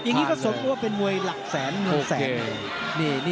อย่างนี้มันสมมุติไปที่เป็นมวยหลักแสง